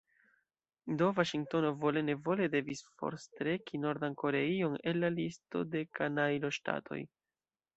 Do Vaŝingtono vole-nevole devis forstreki Nordan Koreion el la listo de kanajloŝtatoj.